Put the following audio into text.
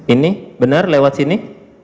ini benar lewat sini